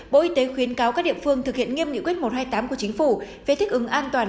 bộ y tế khuyến cáo các địa phương thực hiện nghiêm nghị quyết một trăm hai mươi tám của chính phủ về thích ứng an toàn